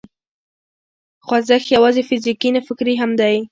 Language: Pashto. خوځښت یوازې فزیکي نه، فکري هم دی.